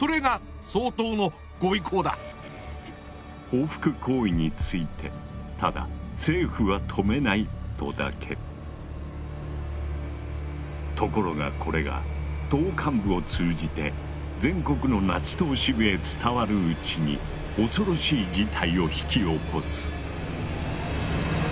報復行為についてただ「政府は止めない」とだけ。ところがこれが党幹部を通じて全国のナチ党支部へ伝わるうちに恐ろしい事態を引き起こす。